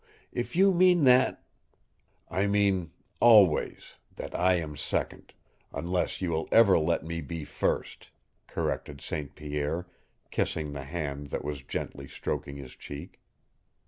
If you mean that " "I mean always that I am second, unless you will ever let me be first," corrected St. Pierre, kissing the hand that was gently stroking his cheek.